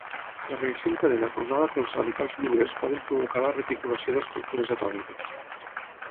La reacció en cadena causada pels radicals lliures poden provocar la reticulació d'estructures atòmiques.